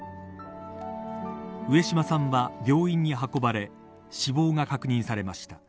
上島さんは病院に運ばれ死亡が確認されました。